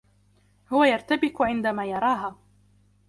هو يرتبِك عندما يراها.